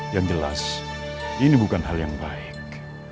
yang jelas ini bukan hal yang baik